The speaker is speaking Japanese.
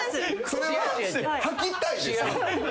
それは「はきたい」でしょ？